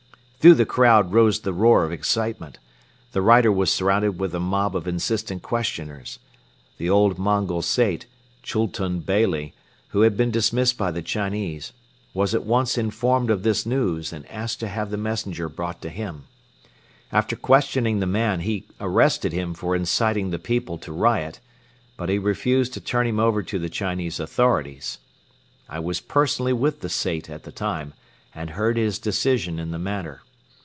Through the crowd rose the roar of excitement. The rider was surrounded with a mob of insistent questioners. The old Mongol Sait, Chultun Beyli, who had been dismissed by the Chinese, was at once informed of this news and asked to have the messenger brought to him. After questioning the man he arrested him for inciting the people to riot, but he refused to turn him over to the Chinese authorities. I was personally with the Sait at the time and heard his decision in the matter.